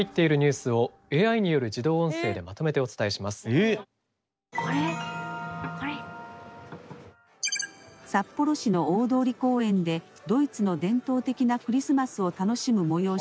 生放送の様子を見ていると「札幌市の大通公園でドイツの伝統的なクリスマスを楽しむ催し